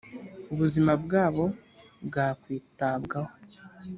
ubuzima bwabo bwakwitabwaho